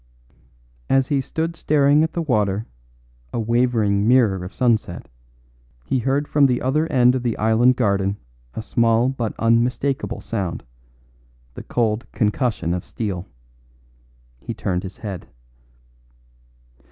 As he stood staring at the water, a wavering mirror of sunset, he heard from the other end of the island garden a small but unmistakable sound the cold concussion of steel. He turned his head.